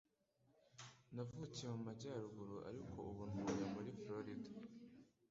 Navukiye mu majyaruguru, ariko ubu ntuye muri Floride.